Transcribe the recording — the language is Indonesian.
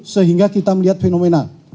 sehingga kita melihat fenomena